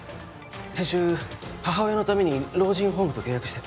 先週母親のために老人ホームと契約して。